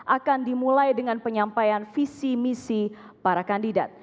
akan dimulai dengan penyampaian visi misi para kandidat